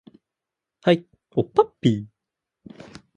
はい、おっぱっぴー